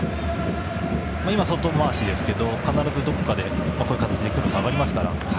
今、外回しですけど必ずどこかでこういう形で下がりますから。